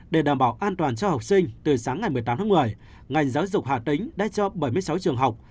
để đảm bảo an toàn cho học sinh từ sáng ngày một mươi tám tháng một mươi ngành giáo dục hà tĩnh đã cho bảy mươi sáu trường học